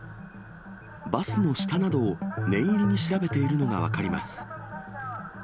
バスの下などを念入りに調べているのが分かります。